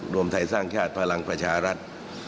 รวมไทยสร้างชาติพลังประชารัฐ